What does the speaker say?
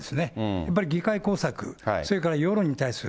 やっぱり議会工作、それから世論に対する。